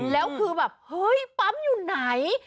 แล้วคือแบบเฮ้ยปั๊มอยู่ไหน